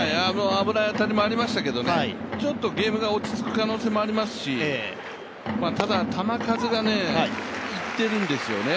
危ない当たりもありましたが、ちょっとゲームが落ち着く可能性もありますしただ球数がいってるんですよね。